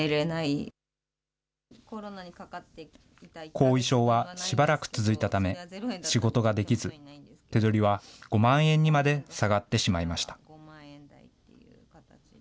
後遺症は、しばらく続いたため、仕事ができず、手取りは５万円にまで下がってしまいました。